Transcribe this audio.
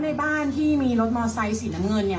แล้วในบ้านที่มีรถมอเตอร์ไซต์สีน้ำเงินดำ